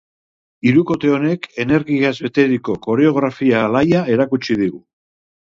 Hirukote honek energiaz beteriko koreografia alaia erakutsi digu.